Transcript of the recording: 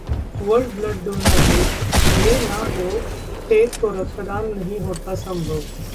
World Blood Donor Day: ये ना होते तो रक्तदान नहीं होता संभव